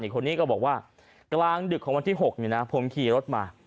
คนนี้ก็บอกว่ากลางดึกของวันที่๖ผมขี่รถมา